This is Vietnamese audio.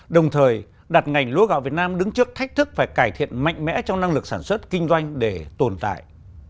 đồng thời đặt ngành lúa gạo việt nam đứng trước thách thức phải cải thiện mạnh mẽ trong năng lực sản xuất kinh doanh để tồn tại